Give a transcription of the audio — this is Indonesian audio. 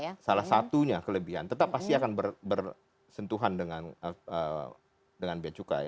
ya salah satunya kelebihan tetap pasti akan bersentuhan dengan bea cukai